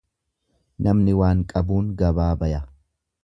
Namni waan qabuun gabaa baya.